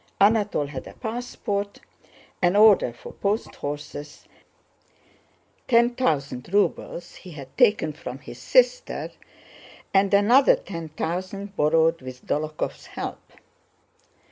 Anatole had a passport, an order for post horses, ten thousand rubles he had taken from his sister and another ten thousand borrowed with Dólokhov's help.